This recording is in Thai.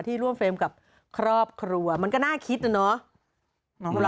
ร่วมเฟรมกับครอบครัวมันก็น่าคิดนะเนาะ